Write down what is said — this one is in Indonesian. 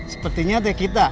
sepertinya ada kita